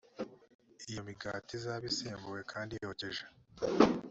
iyo migati izabe isembuwe d kandi yokeje